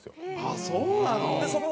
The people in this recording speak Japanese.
ああそうなの？